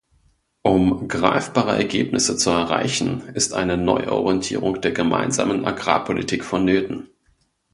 Um greifbare Ergebnisse zu erreichen, ist eine Neuorientierung der Gemeinsamen Agrarpolitik vonnöten.